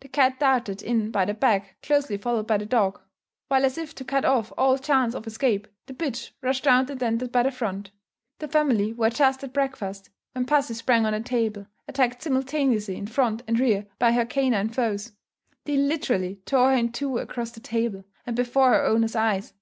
The cat darted in by the back, closely followed by the dog; while, as if to cut off all chance of escape, the bitch rushed round and entered by the front. The family were just at breakfast, when pussy sprang on the table, attacked simultaneously in front and rear by her canine foes. They literally tore her in two across the table, and before her owner's eyes.